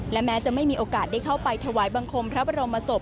และแม้จะไม่มีโอกาสได้เข้าไปถวายบังคมพระบรมศพ